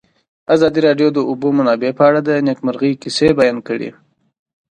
ازادي راډیو د د اوبو منابع په اړه د نېکمرغۍ کیسې بیان کړې.